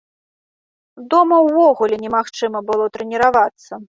Дома ўвогуле немагчыма было трэніравацца.